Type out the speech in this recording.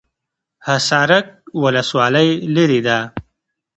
حصارک ولسوالۍ لیرې ده؟